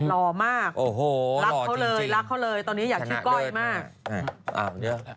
รอมากรักเขาเลยตอนนี้อยากชื่อก้อยมากอ้าว